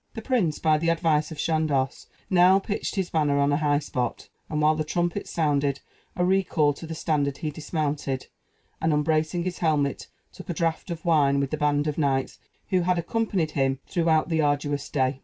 The prince, by the advice of Chandos, now pitched his banner on a high spot; and, while the trumpets sounded a recall to the standard he dismounted, and, unbracing his helmet, took a draught of wine with the band of knights who had accompanied him throughout the arduous day.